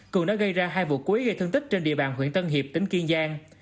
cường đã gây ra hai vụ cuối gây thân tích trên địa bàn huyện tân hiệp tỉnh kiên giang